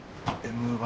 「Ｍ１」！